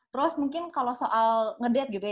terus mungkin kalo soal ngedate gitu ya